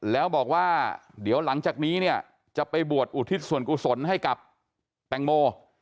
แล้วบอกว่าเดี๋ยวหลังจากนี้เนี่ยจะไปบวชอุทิศส่วนกุศลให้กับแตงโม